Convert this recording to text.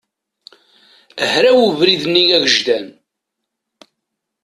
Hraw ubrid-nni agejdan.